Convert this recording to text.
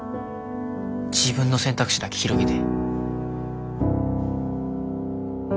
自分の選択肢だけ広げて。